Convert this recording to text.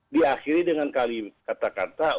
diakhiri dengan kata kata